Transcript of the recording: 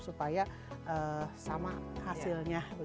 supaya sama hasilnya